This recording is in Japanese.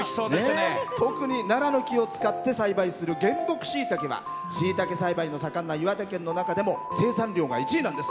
特にナラの木を使って栽培する原木しいたけはしいたけ栽培の盛んな岩手県の中でも生産量が１位なんです。